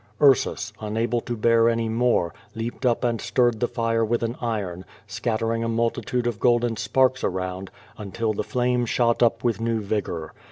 Ursus, unable to bear any more, leaped up and stirred the fire with an iron, scattering a multitude of golden sparks around, until the flame shot up with new vigor.